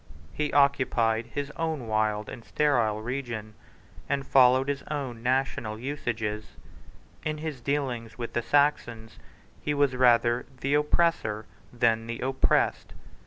He occupied his own wild and sterile region, and followed his own national usages. In his dealings with the Saxons, he was rather the oppressor than the oppressed.